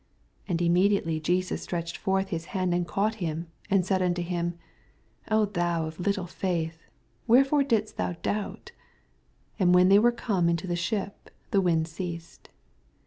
81 And immediately Jesus stretched forth hU hand, and caught him, and said unto him, thou of little ftdth, wherefore didst thou doubt ? 82 And when they were oome into the ship, the wind ceased.